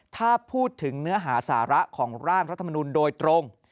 ถ้าพูดถึงเนื้อหาสาระของร่างรัฐมนุนโดยตรง